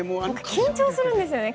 緊張するんですね